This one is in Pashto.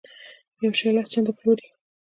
یو شی لس چنده پلوري.